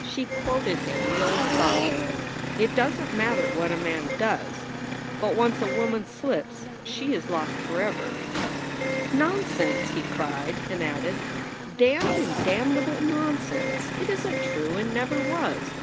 She quoted him the old saw : "It doesn t matter what a man does, but once a woman slips she is lost forever." i 4 SOULS FOR SALE "Nonsense!" he cried, and added: "Damned and dam nable nonsense! It isn t true and never was.